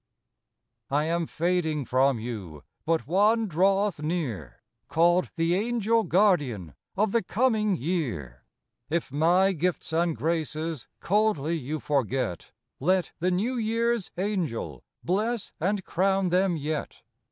T AM fading from you, A But one draweth near, Called the Angel guardian Of the coming year. If my gifts and graces Coldly you forget, Let the New Year's Angel Bless and crown them yet.